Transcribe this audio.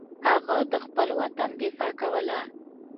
هغه د خپل وطن دفاع کوله.